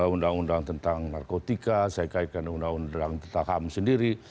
undang undang tentang narkotika saya kaitkan dengan undang undang tentang ham sendiri